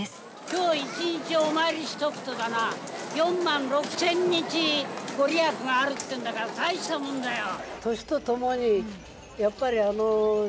今日一日お参りしとくとだな４万６，０００日御利益があるってんだから大したもんだよ。